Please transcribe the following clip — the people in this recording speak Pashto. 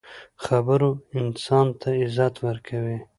خبرو انسان ته عزت ورکوي.